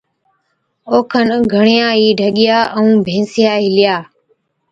او کن گھڻِيا ئِي ڍڳِيا ائُون ڀينسان هِلِيا۔